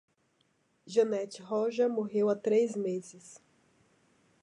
Janet Roger morreu há três meses.